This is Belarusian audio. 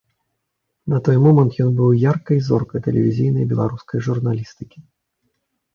На той момант ён быў яркай зоркай тэлевізійнай беларускай журналістыкі.